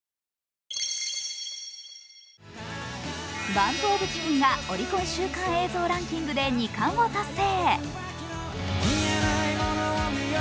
ＢＵＭＰＯＦＣＨＩＣＫＥＮがオリコン週間映像ランキングで２冠を達成。